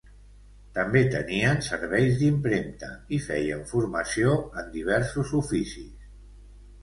També tenien serveis d'impremta i feien formació en diversos oficis.